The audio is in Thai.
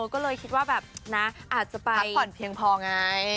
ก็เลยคิดว่าแบบนะอาจจะพักผ่อนเพียงพอไง